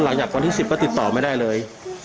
หลังจากวันที่๑๐ก็ติดต่อไม่ได้เลย